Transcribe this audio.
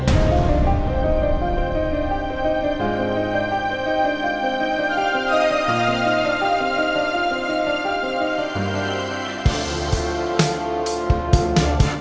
pokoknya saya nggak mau tahu